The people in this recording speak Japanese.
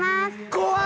怖い！